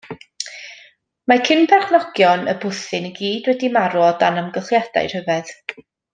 Mae cyn perchenogion y bwthyn i gyd wedi marw o dan amgylchiadau rhyfedd.